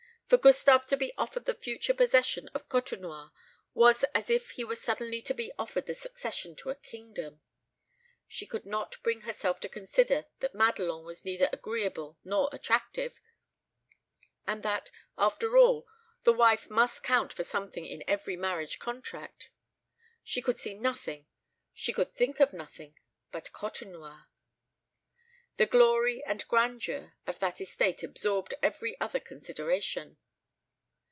For Gustave to be offered the future possession of Côtenoir was as if he were suddenly to be offered the succession to a kingdom. She could not bring herself to consider that Madelon was neither agreeable nor attractive, and that, after all, the wife must count for something in every marriage contract. She could see nothing, she could think of nothing, but Côtenoir. The glory and grandeur of that estate absorbed every other consideration.